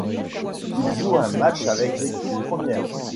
Il joue un match avec l'équipe première.